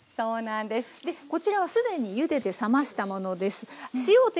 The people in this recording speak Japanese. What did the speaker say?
こちらは既にゆでて冷ましたものです。